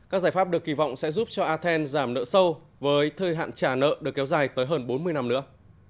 các giải pháp được kỳ vọng sẽ giúp cho athens giảm nợ sâu với thời hạn trả nợ được kéo dài tới hơn bốn mươi năm nữa